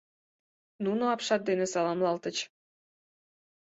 Нуно апшат дене саламлалтыч.